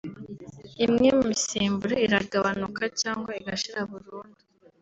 imwe mu misemburo iragabanuka cyangwa igashira burundu